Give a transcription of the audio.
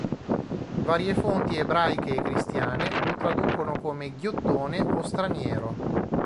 Varie fonti Ebraiche e Cristiane lo traducono come "ghiottone" o "straniero".